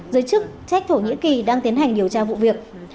giới chức trách thổ nhĩ kỳ đang tiến hành điều tra vụ việc